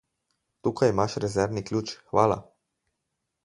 Tukaj imaš rezervni ključ, hvala.